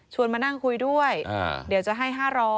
มานั่งคุยด้วยเดี๋ยวจะให้๕๐๐